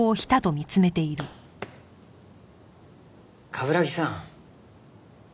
冠城さん。